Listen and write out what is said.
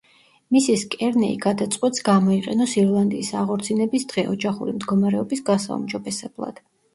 მისის კერნეი გადაწყვეტს გამოიყენოს ირლანდიის აღორძინების დღე, ოჯახური მდგომარეობის გასაუმჯობესებლად.